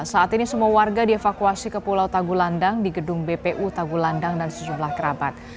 saat ini semua warga dievakuasi ke pulau tagulandang di gedung bpu tagulandang dan sejumlah kerabat